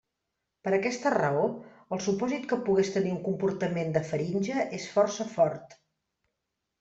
Per aquesta raó, el supòsit que pogués tenir un comportament de faringe és força fort.